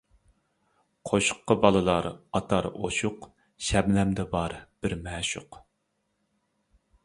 قوشۇققا بالىلار ئاتار ئوشۇق، شەبنەمدە بار بىر مەشۇق.